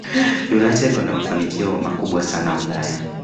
united wana mafanikio makubwa sana Ulaya